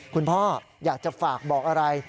คุณพ่ออยากจะฝากบอกอะไร